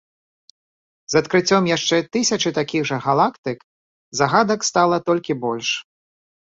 З адкрыццём яшчэ тысячы такіх жа галактык загадак стала толькі больш.